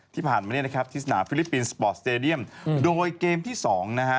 ที่ผ่านมาเนี่ยนะครับที่สนามฟิลิปปินส์สปอร์ตสเตดียมโดยเกมที่สองนะฮะ